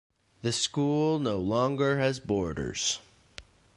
The school no longer has boarders.